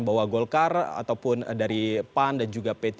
bahwa golkar ataupun dari pan dan juga p tiga